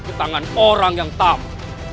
ketangan orang yang tamu